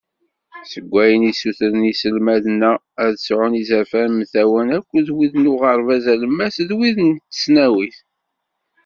Seg wayen i ssutren yiselmaden-a, ad sεun izerfan mtawan akked wid n uɣerbaz alemmas, d wid n tesnawit.